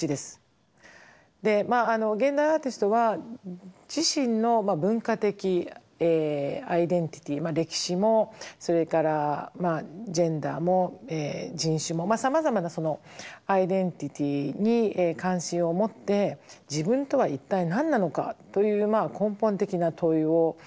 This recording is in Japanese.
現代アーティストは自身の文化的アイデンティティー歴史もそれからジェンダーも人種もさまざまなアイデンティティーに関心を持って「自分とは一体何なのか」という根本的な問いを自分自身に向けています。